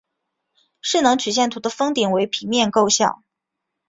势能曲线图的峰顶为平面构象。